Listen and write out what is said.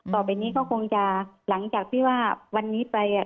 ต่อไปนี้ก็คงจะหลังจากที่ว่าวันนี้ไปอ่ะ